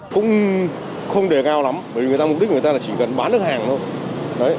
cũng không để cao lắm bởi vì mục đích người ta chỉ cần bán nước hàng thôi